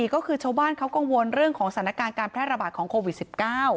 ก็คือชาวบ้านเขากังวลเรื่องของสถานการณ์การแพร่ระบาดของโควิด๑๙